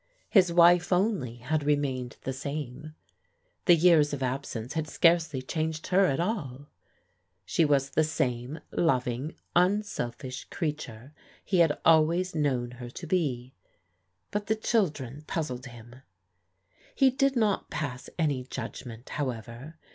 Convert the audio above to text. I£s wife only had remained the same. The years of ab sence had scarcely changed her at all. She was the same loving unselfish creature he had always known her to be; but ihe children puzzled him. He did not pass any judgment, however.